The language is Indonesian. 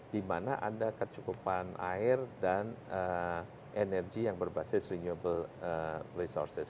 di mana ada kecukupan air dan energi yang berbasis renewable resources